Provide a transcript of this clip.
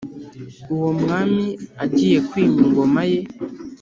Uwo mwami agiye kwima Ingoma ye